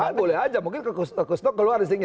ya bisa boleh aja mungkin kusno keluar disini